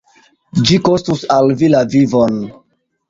Ĝi kostus al vi la vivon.